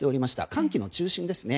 寒気の中心ですね。